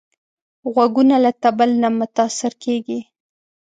غوږونه له طبل نه متاثره کېږي